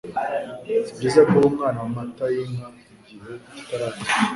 sibyiza guha umwana amata y'inka igihe kitaragera